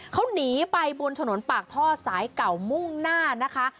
เขาหนีไปบนถนนปากท่อสายเก่ามุ่งหน้านะคะ